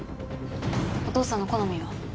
お父さんの好みは？